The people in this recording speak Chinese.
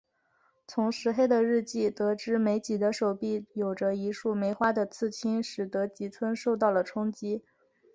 从石黑的日记得知美几的手臂有着一束梅花的刺青使得吉村受到了冲击。